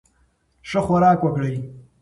ښه خوراک وکړئ.